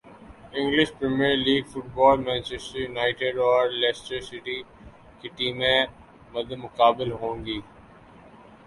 English Premier League football Manchester United اور Leicester City کی ٹیمیں مدمقابل ہونگی